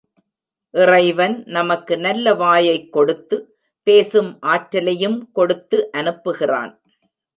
இறைவன் நமக்கு நல்ல வாயைக் கொடுத்து, பேசும் ஆற்றலையும் கொடுத்து அனுப்புகிறான்.